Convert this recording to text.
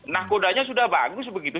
nah kodanya sudah bagus begitu